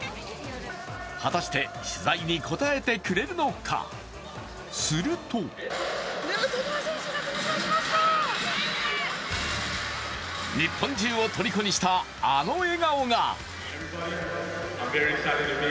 果たして取材に応えてくれるのか、すると日本中をとりこにしたあの笑顔が。